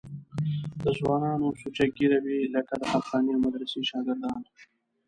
د ځوانانو سوچه ږیرې وې لکه د حقانیه مدرسې شاګردان.